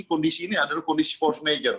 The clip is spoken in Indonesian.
kondisi ini adalah kondisi force major